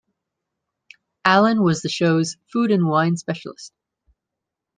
Allen was the show's food and wine specialist.